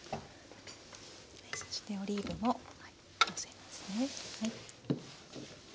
そしてオリーブものせますね。